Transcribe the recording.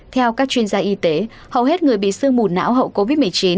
theo các chuyên gia y tế hầu hết người bị sương mù não hậu covid một mươi chín